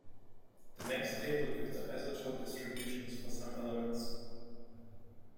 The next table gives the isotope distributions for some elements.